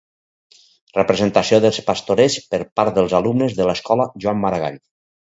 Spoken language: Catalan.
Representació dels Pastorets per part dels alumnes de l'escola Joan Maragall.